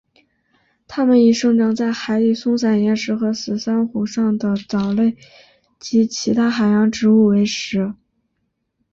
它们以生长在海底松散岩石和死珊瑚上的藻类及其他海洋植物为食。